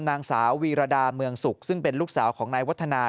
นางสาววีรดาเมืองสุขซึ่งเป็นลูกสาวของนายวัฒนา